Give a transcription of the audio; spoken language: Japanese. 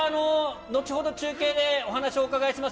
後ほど中継でお話をお伺いします。